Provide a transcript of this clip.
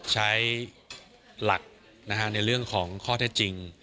ใช้หลักในเรื่องของข้อเท็จจริง